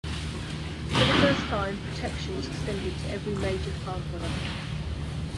For the first time protection was extended to every major farm product.